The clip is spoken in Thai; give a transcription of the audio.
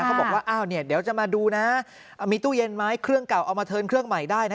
เขาบอกว่าอ้าวเนี่ยเดี๋ยวจะมาดูนะมีตู้เย็นไหมเครื่องเก่าเอามาเทิร์นเครื่องใหม่ได้นะ